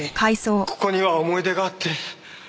ここには思い出があって。